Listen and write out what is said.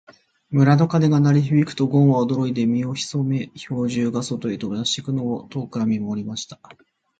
村の鐘が鳴り響くと、ごんは驚いて身を潜め、兵十が外へ飛び出していくのを遠くから見守りました。